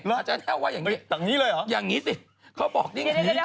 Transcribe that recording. อาจจะแค่ไว้อย่างนี้อย่างนี้สิเขาบอกอย่างงี้ตั้งนี้เลยหรอ